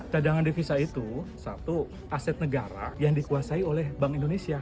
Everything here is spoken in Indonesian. cadangan devisa itu satu aset negara yang dikuasai oleh bank indonesia